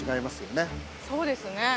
そうですね。